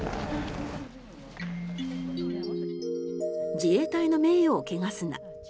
自衛隊の名誉を汚すな。